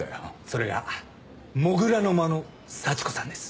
それが「土竜の間の幸子さん」です。